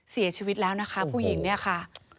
เสียชีวิตแล้วนะคะผู้หญิงเนี่ยค่ะ